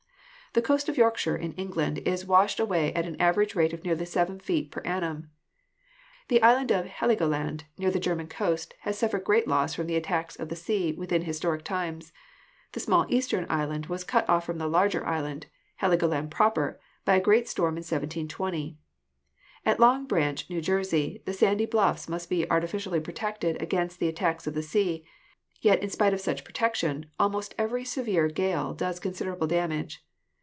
The coast of Yorkshire in England is washed away at an average rate of nearly seven feet per annum. The island of Heligoland, near the German coast, has suffered great loss from the attacks of the sea within historic times ;, the small eastern island was cut off from the larger island, Heligoland proper, by a great storm in 1720. At Long Branch, New Jersey, the sandy bluffs must be artificially protected against the attacks of the sea; yet in spite of such protection almost every severe gale does considerable damage.